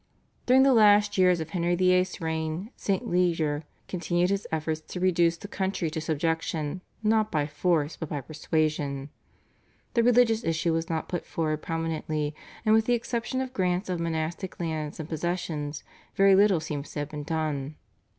During the last years of Henry VIII.'s reign St. Leger continued his efforts to reduce the country to subjection not by force but by persuasion. The religious issue was not put forward prominently, and with the exception of grants of monastic lands and possessions very little seems to have been done.